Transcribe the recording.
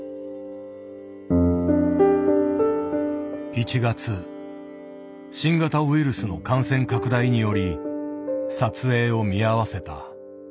１月新型ウイルスの感染拡大により撮影を見合わせた。